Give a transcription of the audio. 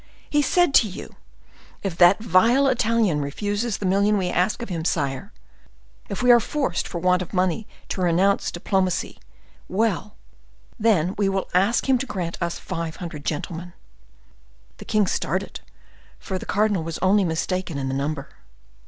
He said to you: 'If that vile Italian refuses the million we ask of him, sire,—if we are forced, for want of money, to renounce diplomacy, well, then, we will ask him to grant us five hundred gentlemen.'" The king started, for the cardinal was only mistaken in the number.